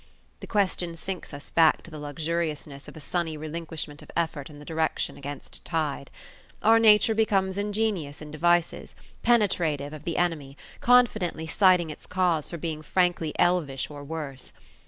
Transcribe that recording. The question sinks us back to the luxuriousness of a sunny relinquishment of effort in the direction against tide. Our nature becomes ingenious in devices, penetrative of the enemy, confidently citing its cause for being frankly elvish or worse.